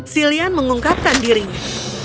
silian mengungkapkan dirinya